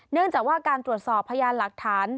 เนื่องจากว่าการตรวจสอบพยานหลักฐาน